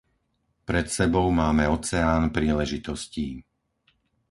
Pred sebou máme oceán príležitostí.